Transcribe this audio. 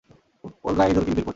ওর গায়ে ইঁদুর কিলবিল করছে।